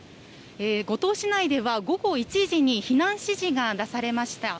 五島市内では、午後１時に避難指示が出されました。